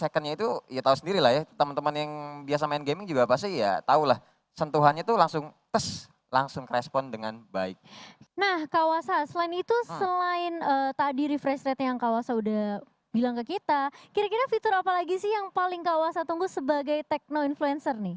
kak uasa tunggu sebagai techno influencer nih